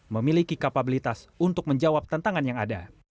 memiliki kapabilitas untuk menjawab tantangan yang ada